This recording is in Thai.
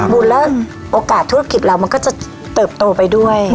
บุญแล้วโอกาสธุรกิจเรามันก็จะเติบโตไปด้วย